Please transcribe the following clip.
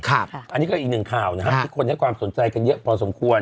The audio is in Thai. อันนี้ก็อีกหนึ่งข่าวนะครับที่คนให้ความสนใจกันเยอะพอสมควร